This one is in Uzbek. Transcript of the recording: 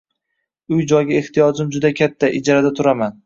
Uy joyga ehtiyojim juda katta, ijarada turaman.